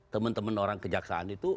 teman teman orang kejaksaan itu